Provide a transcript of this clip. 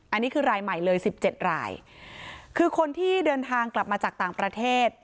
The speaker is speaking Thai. อันนี้คือรายใหม่เลยสิบเจ็ดรายคือคนที่เดินทางกลับมาจากต่างประเทศ